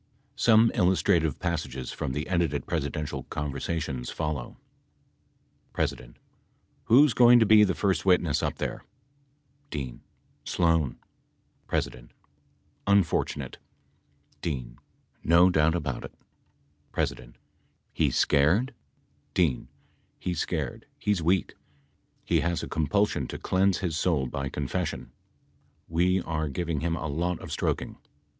Some illustrative passages from the edited Presidential conversations follow : P. Who is going to be the first witness up there ? D. Sloan. P. Unfortunate. D. No doubt about it — P. He's scared ? D. He's scared, he's weak. He has a compulsion to cleanse his soul by confession. We are giving him a lot of stroking.